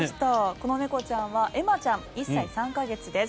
この猫ちゃんはエマちゃん１歳３か月です。